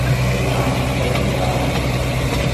Bɣant ad nnaɣent.